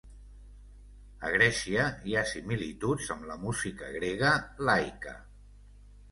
A Grècia, hi ha similituds amb la música grega "laika".